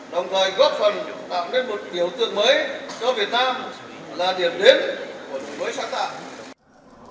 đồng thời góp phần tạo nên một biểu tượng mới cho việt nam là điểm đến của đổi mới sáng tạo